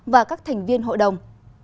và các thành viên hội đồng